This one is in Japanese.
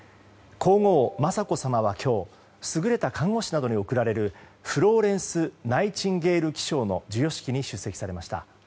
皇后・雅子さまは今日優れた看護師などに贈られるフローレンス・ナイチンゲール記章の授与式に出席されました。